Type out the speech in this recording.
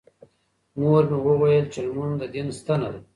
مور مې وویل چې لمونځ د دین ستنه ده.